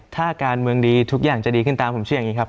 ถ้าการเมืองดีทุกอย่างจะดีขึ้นตามผมเชื่ออย่างนี้ครับ